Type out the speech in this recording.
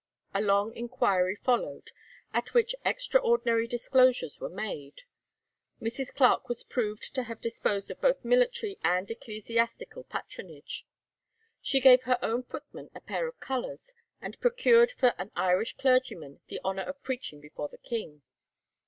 A long inquiry followed, at which extraordinary disclosures were made. Mrs. Clarke was proved to have disposed of both military and ecclesiastical patronage. She gave her own footman a pair of colours, and procured for an Irish clergyman the honour of preaching before the King.